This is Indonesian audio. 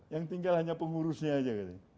yang tinggal hanya pengurusnya saja